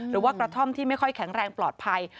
กระท่อมที่ไม่ค่อยแข็งแรงปลอดภัย